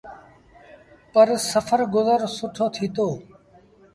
پر سڦر گزر سُٺو ٿيٚتو۔